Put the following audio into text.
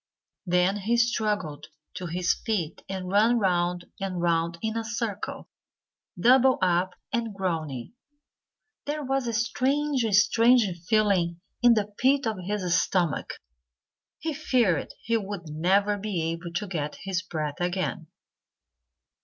Then he struggled to his feet and ran round and round in a circle, doubled up and groaning. There was a strange, strange feeling in the pit of his stomach. He feared he would never be able to get his breath again.